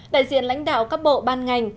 đại diện lãnh đạo các bộ ban ngành